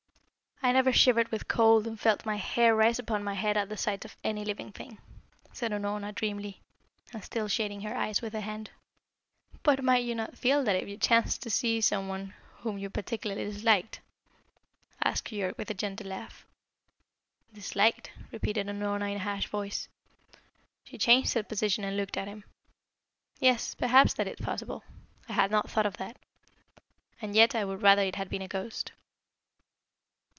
"I never shivered with cold and felt my hair rise upon my head at the sight of any living thing," said Unorna dreamily, and still shading her eyes with her hand. "But might you not feel that if you chanced to see some one whom you particularly disliked?" asked Keyork, with a gentle laugh. "Disliked?" repeated Unorna in a harsh voice. She changed her position and looked at him. "Yes, perhaps that is possible. I had not thought of that. And yet I would rather it had been a ghost."